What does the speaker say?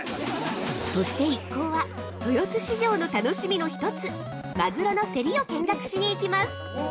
◆そして一行は、豊洲市場の楽しみのひとつ、マグロのセリを見学しにいきます。